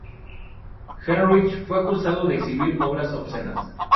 Heinrich fue acusada de exhibir obras obscenas.